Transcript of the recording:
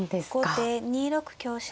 後手２六香車。